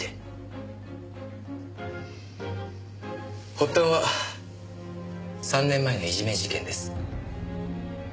発端は３年前のいじめ事件です。